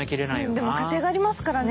でも家庭がありますからね。